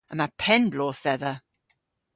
Yma penn-bloodh dhedha.